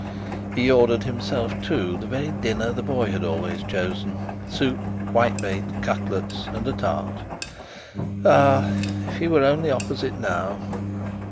He ordered himself, too, the very dinner the boy had always chosen—soup, whitebait, cutlets, and a tart. Ah! if he were only opposite now!